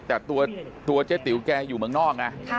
แต่ตัวเจ๊ติ๋วแกอยู่เมืองนอกไง